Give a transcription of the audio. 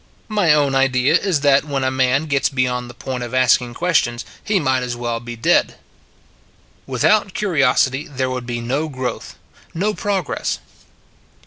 My own idea is that when a man gets beyond the point of asking questions, he might as well be dead. Without curiosity there would be no growth, no progress.